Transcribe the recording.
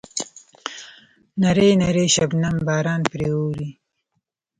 نری نری شبنمي باران پرې اوروي.